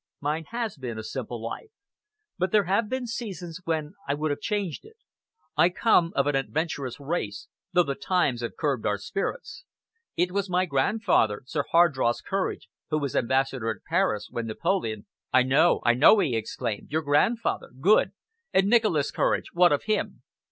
Mine has been a simple life, but there have been seasons when I would have changed it. I come of an adventurous race, though the times have curbed our spirits. It was my grandfather, Sir Hardross Courage, who was ambassador at Paris when Napoleon " "I know! I know!" he exclaimed. "Your grandfather! Good! And Nicholas Courage what of him?"